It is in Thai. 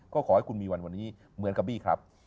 ก็ขอให้คุณมีวันวันนี้เหมือนกับบี้ครับ